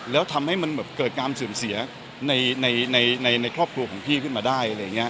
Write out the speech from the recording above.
แล้วทำให้มันเกิดการเสื่อมเสียในครอบครัวของพี่ขึ้นมาได้